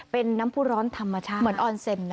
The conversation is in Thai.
เป็นน้ำผู้ร้อนธรรมชาติเหมือนออนเซนนะ